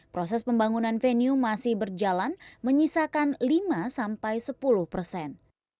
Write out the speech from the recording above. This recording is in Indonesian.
proses pembangunan venue masih berjalan menyisakan lima sampai sepuluh persen